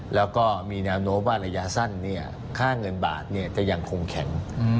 แล้วก็มีแนวโน้มว่าระยะสั้นค่าเงินบาทจะยังคงแข็ง